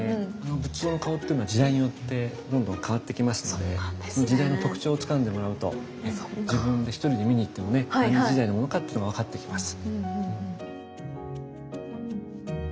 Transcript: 仏像の顔っていうのは時代によってどんどん変わってきますので時代の特徴をつかんでもらうと自分で一人で見にいってもね何時代のものかっていうのが分かってきます。